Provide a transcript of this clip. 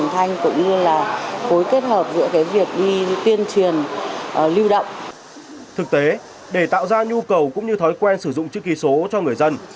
thực tế để tạo ra nhu cầu cũng như thói quen sử dụng chữ ký số cho người dân